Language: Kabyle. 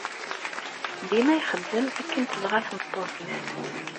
Dima ixeddem akken tebɣa tmeṭṭut-is.